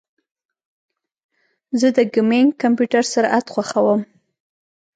زه د ګیمنګ کمپیوټر سرعت خوښوم.